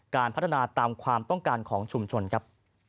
การพัฒนาตามความต้องการของชุมชนครับ